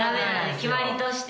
決まりとして。